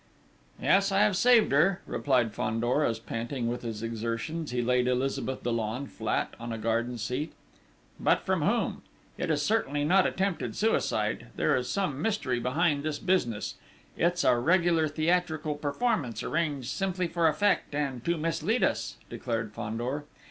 "Yes, I have saved her," replied Fandor as, panting with his exertions, he laid Elizabeth Dollon flat on a garden seat.... "But from whom?... It is certainly not attempted suicide! There is some mystery behind this business: it's a regular theatrical performance arranged simply for effect, and to mislead us," declared Fandor.